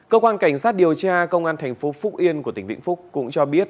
cơ quan cảnh sát điều tra công an thành phố phúc yên của tỉnh vĩnh phúc cũng cho biết